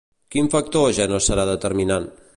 Quin factor ja no serà determinant?